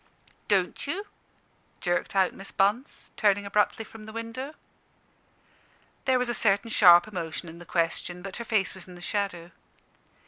"Don't you?" jerked out Miss Bunce, turning abruptly from the window. There was a certain sharp emotion in the question, but her face was in the shadow.